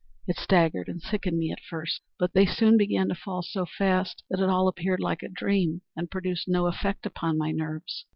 It staggered and sickened me at first; but they soon began to fall so fast that it all appeared like a dream, and produced no effect upon my nerves....